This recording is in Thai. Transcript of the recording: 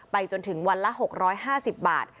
จนถึงวันละ๖๕๐บาท